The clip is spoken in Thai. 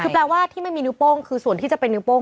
คือแปลว่าที่ไม่มีนิ้วโป้งคือส่วนที่จะเป็นนิ้วโป้ง